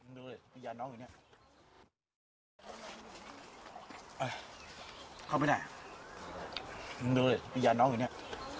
เอ้ยเข้าไปไหนมึงดูเลยมียาน้องอยู่เนี้ย